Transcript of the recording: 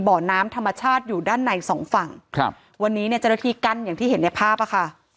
บ่อน้ำธรรมชาติอยู่ด้านในสองฝั่งครับวันนี้เนี่ยเจ้าหน้าที่กั้นอย่างที่เห็นในภาพอ่ะค่ะ